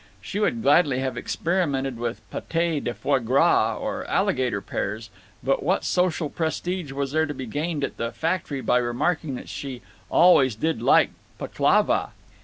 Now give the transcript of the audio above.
She would gladly have experimented with paté de foie gras or alligator pears, but what social prestige was there to be gained at the factory by remarking that she "always did like pahklava"?